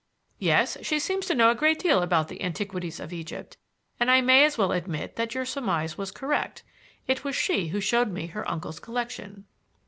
"Yes; she seems to know a great deal about the antiquities of Egypt, and I may as well admit that your surmise was correct. It was she who showed me her uncle's collection."